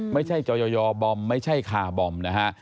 ไม่ใช่จอยอบอมไม่ใช่คาร์บอมนะฮะ